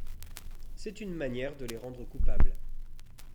C'est une manière de les rendre coupables.